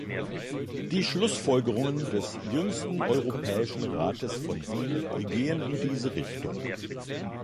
Die Schlussfolgerungen des jüngsten Europäischen Rates von Wien gehen in diese Richtung.